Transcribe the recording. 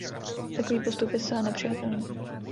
Takový postup je zcela nepřijatelný.